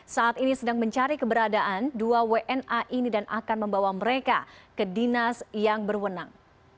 saat ini sedang mencari keberadaan dua wna ini dan akan membawa mereka ke dinas yang berwenang